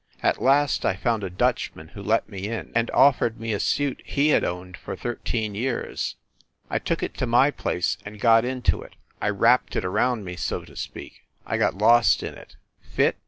At last I found a Dutchman who let me in, and offered me a suit he had owned for thirteen years. I took it to my place and got into it I wrapped it around me, so to speak I got lost in it. Fit